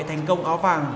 thành công áo vàng